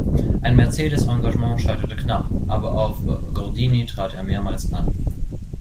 Ein Mercedes-Engagement scheiterte knapp, aber auf Gordini trat er mehrmals an.